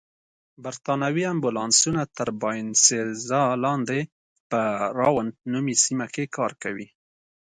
بریتانوي امبولانسونه تر باینسېزا لاندې په راون نومي سیمه کې کار کوي.